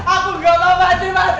aku gak mau mandi mas